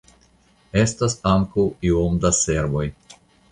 Estas ankaŭ iom da servoj.